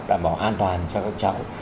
đảm bảo an toàn cho các cháu